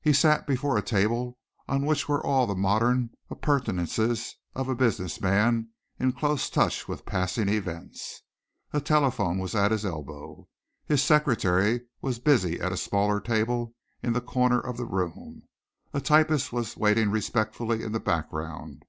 He sat before a table on which were all the modern appurtenances of a business man in close touch with passing events. A telephone was at his elbow, his secretary was busy at a smaller table in the corner of the room, a typist was waiting respectfully in the background.